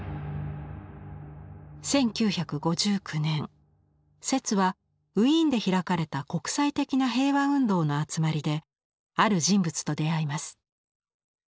１９５９年摂はウィーンで開かれた国際的な平和運動の集まりである人物と出会います。